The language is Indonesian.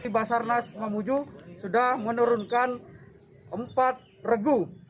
basarnas mamuju sudah menurunkan empat regu